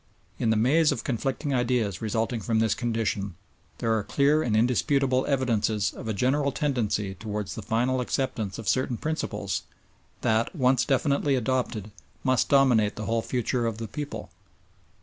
In the maze of conflicting ideas resulting from this condition there are clear and indisputable evidences of a general tendency towards the final acceptance of certain principles that, once definitely adopted, must dominate the whole future of the people.